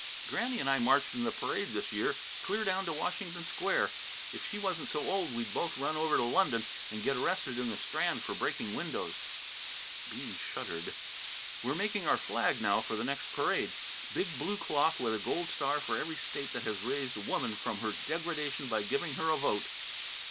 "Granny and I marched in the parade this year, clear down to Washington Square. If she wasn't so old we'd both run over to London and get arrested in the Strand for breaking windows." Bean shuddered. "We're making our flag now for the next parade big blue cloth with a gold star for every state that has raised woman from her degradation by giving her a vote."